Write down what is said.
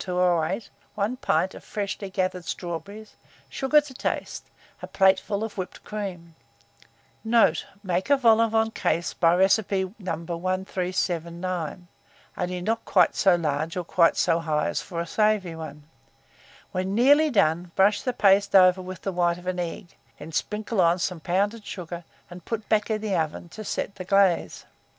1208, 1 pint of freshly gathered strawberries, sugar to taste, a plateful of whipped cream. Mode. Make a vol au vent case by recipe No. 1379, only not quite so large nor so high as for a savoury one. When nearly done, brush the paste over with the white of an egg, then sprinkle on it some pounded sugar, and put it back in the oven to set the glaze.